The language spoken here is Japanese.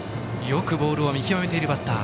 よくボールを見極めているバッター。